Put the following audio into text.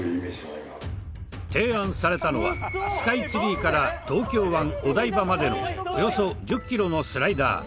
提案されたのはスカイツリーから東京湾お台場までのおよそ１０キロのスライダー。